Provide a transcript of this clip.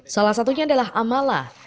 salah satunya adalah amala